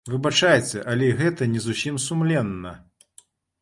Выбачайце, але і гэта не зусім сумленна.